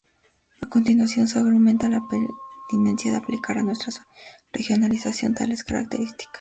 A continuación, se argumenta la pertinencia de aplicar a nuestra regionalización tales características.